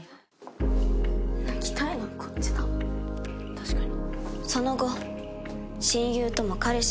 確かに。